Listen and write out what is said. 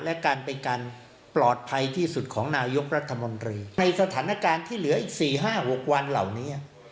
และการเป็นการปลอดภัยที่สุดของนายกรัฐมนตรีในสถานการณ์ที่เหลืออีก๔๕๖วันเหล่านี้